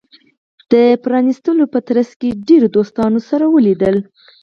د پرانېستلو په ترڅ کې ډیرو دوستانو سره ولیدل.